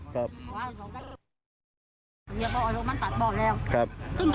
ครับ